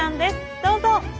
どうぞ。